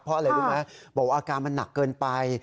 เพราะเลยรู้ไหมอาการมันนักเกินไป